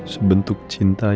sebentuk cinta yang kuat